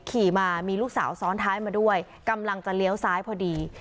ขี่มามีลูกสาวซ้อนท้ายมาด้วยกำลังจะเลี้ยวซ้ายพอดี